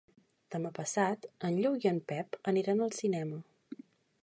Demà passat en Lluc i en Pep iran al cinema.